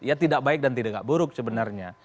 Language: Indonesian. ya tidak baik dan tidak buruk sebenarnya